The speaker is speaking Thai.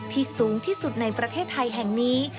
สูงที่สุดในประเทศไทยแห่งนี้